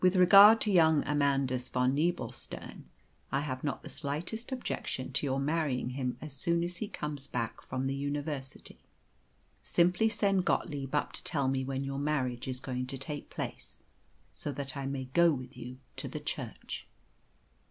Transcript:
With regard to young Amandus von Nebelstern, I have not the slightest objection to your marrying him as soon as he comes back from the university. Simply send Gottlieb up to tell me when your marriage is going to take place, so that I may go with you to the church."